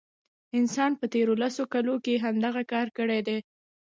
انسان په تیرو لسو کلونو کې همدغه کار کړی دی.